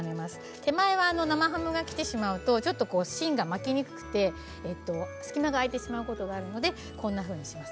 手前は生ハムがきてしまうと芯が巻きにくくて隙間が開いてしまうことがあるのでこんなふうにします。